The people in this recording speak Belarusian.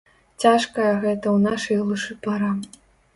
Цяжкая гэта ў нашай глушы пара.